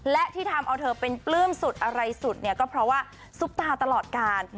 และที่ทำเอาเธอเป็นปลื้มสุดอะไรสุดเนี่ยก็เพราะว่าซุปตาตลอดการ